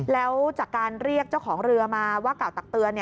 แล้วจากการเรียกเจ้าของเรือมาว่ากล่าวตักเตือน